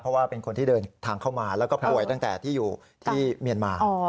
เพราะว่าเป็นคนที่เดินทางเข้ามาแล้วก็ป่วยตั้งแต่ที่อยู่ที่เมียนมา